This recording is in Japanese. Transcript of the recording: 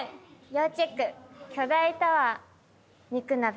要チェック巨大タワー肉鍋。